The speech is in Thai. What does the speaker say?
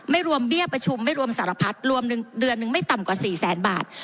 รวมเบี้ยประชุมไม่รวมสารพัดรวมเดือนนึงไม่ต่ำกว่า๔แสนบาท